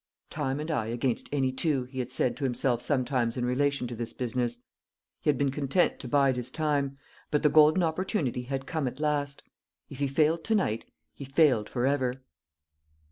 "Time and I against any two," he had said to himself sometimes in relation to this business. He had been content to bide his time; but the golden opportunity had come at last. If he failed to night, he failed forever.